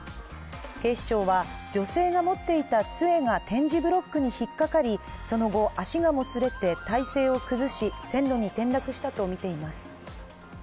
警視庁は女性が持っていたつえが点字ブロックにひっかかりその後、足がもつれて体勢を崩し線路に転落したとみています。